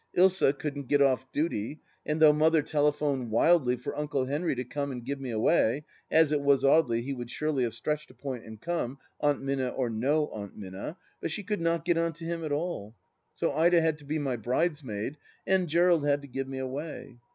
Ilsa couldn't get off duty; and though Mother telephoned wildly for Uncle Henry to come and give me away — as it was Audely, he would surely have stretched a point and come, Aunt Minna or no Aunt Minna — but she could not get on to him at all. So Ida had to be my bridesmaid and Gerald had to give me away.